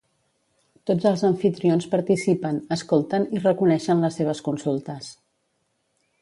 Tots els amfitrions participen, escolten i reconeixen les seves consultes.